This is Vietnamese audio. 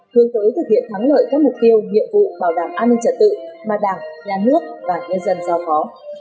hướng tới thực hiện thắng lợi các mục tiêu nhiệm vụ bảo đảm an ninh trật tự mà đảng nhà nước và nhân dân giao phó